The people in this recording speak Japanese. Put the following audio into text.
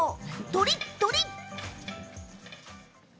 とりっとり！